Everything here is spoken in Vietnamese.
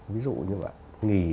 ví dụ như vậy